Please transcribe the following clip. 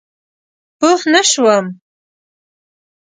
پوه نه شوم؟